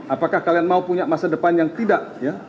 apakah kalian mau punya masa depan yang tidak ya